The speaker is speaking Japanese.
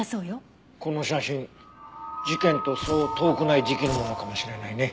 この写真事件とそう遠くない時期のものかもしれないね。